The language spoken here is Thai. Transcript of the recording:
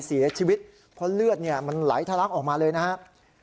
เสียชีวิตเพราะเลือดมันไหลทะลักออกมาเลยนะครับ